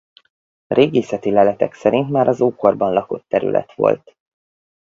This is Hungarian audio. Régészeti leletek szerint már az ókorban lakott terület volt.